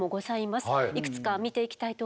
いくつか見ていきたいと思います。